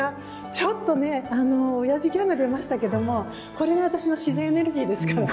ちょっとねおやじギャグ出ましたけどもこれが私の自然エネルギーですから。